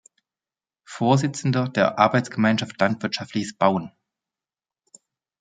Vorsitzender der "Arbeitsgemeinschaft Landwirtschaftliches Bauen".